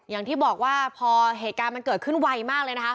อย่างที่บอกว่าพอเหตุการณ์มันเกิดขึ้นไวมากเลยนะคะ